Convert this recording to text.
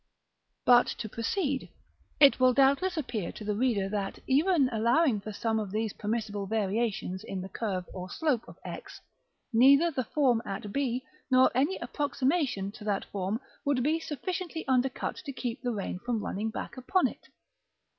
§ VI. But to proceed. It will doubtless appear to the reader, that, even allowing for some of these permissible variations in the curve or slope of X, neither the form at b, nor any approximation to that form, would be sufficiently undercut to keep the rain from running back upon it.